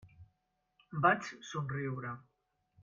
Vaig somriure.